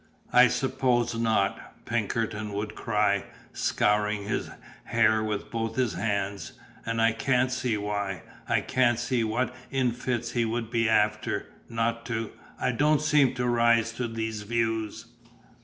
"I suppose not," Pinkerton would cry, scouring his hair with both his hands; "and I can't see why; I can't see what in fits he would be after, not to; I don't seem to rise to these views.